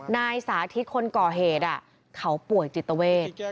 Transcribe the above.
นายสาธิตคนก่อเหตุเขาป่วยจิตเวท